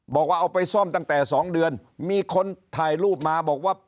บอกว่าเอาไปซ่อมตั้งแต่๒เดือนมีคนถ่ายรูปมาบอกว่า